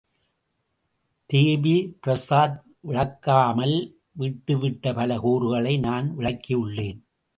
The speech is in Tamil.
தேபி பிரஸாத் விளக்காமல் விட்டுவிட்ட பல கூறுகளை நான் விளக்கியுள்ளேன்.